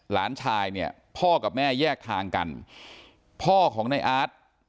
หลานชายเนี่ยพ่อกับแม่แยกทางกันพ่อของในอาร์ต